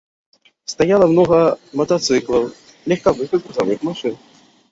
Стаяла многа матацыклаў, легкавых і грузавых машын.